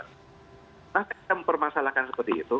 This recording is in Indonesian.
kenapa kita mempermasalahkan seperti itu